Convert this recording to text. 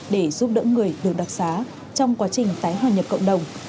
để giúp đỡ người được đặc xá trong quá trình tái hòa nhập cộng đồng